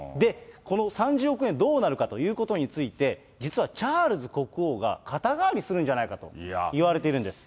この３０億円、どうなるかということについて、実はチャールズ国王が肩代わりするんじゃないかといわれているんです。